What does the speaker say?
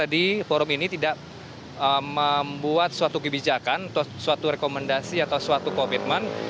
jadi forum ini tidak membuat suatu kebijakan atau suatu rekomendasi atau suatu komitmen